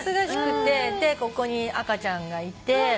ここに赤ちゃんがいて。